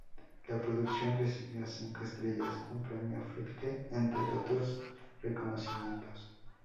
La producción recibió cinco estrellas, un premio Fringe, entre otros reconocimientos.